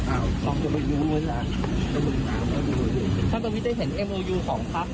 อ้าวท่านจะไปยูไว้สละ